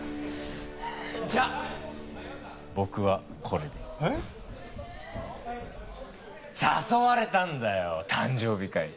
じゃ僕はこれで。え？誘われたんだよ誕生日会。